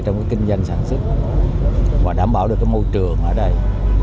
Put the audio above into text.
trong cái kinh doanh sản xuất và đảm bảo được cái môi trường ở đây